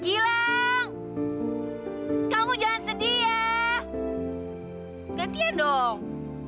gileng kamu jangan sedih ya gantian dong